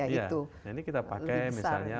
ya itu ini kita pakai misalnya